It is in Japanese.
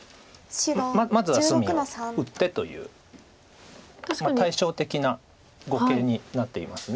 まずは隅を打ってという対照的な碁形になっています